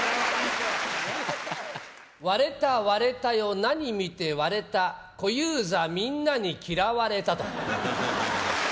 われた、われたよ、何見てわれた、小遊三みんなに嫌われたと。